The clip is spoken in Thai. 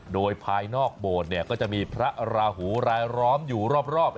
โดยภายนอกโบสถ์ก็จะมีพระราหูรายล้อมอยู่รอบ